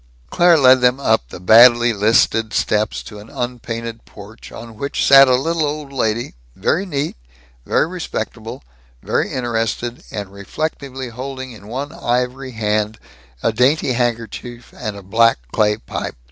Claire led them up the badly listed steps to an unpainted porch on which sat a little old lady, very neat, very respectable, very interested, and reflectively holding in one ivory hand a dainty handkerchief and a black clay pipe.